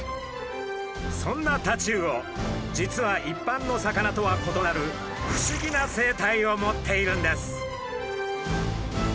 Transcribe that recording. そんなタチウオ実は一般の魚とは異なる不思議な生態を持っているんです。